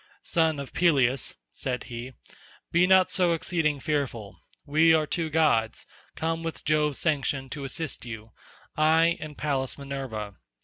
"Son of Peleus," said he, "be not so exceeding fearful; we are two gods, come with Jove's sanction to assist you, I, and Pallas Minerva.